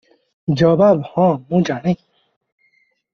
ଜବାବ - ହଁ, ମୁଁ ଜାଣେ ।